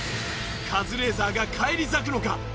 カズレーザーが返り咲くのか？